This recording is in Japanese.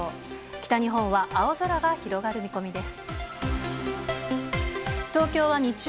北日本は青空が広がる見込みです。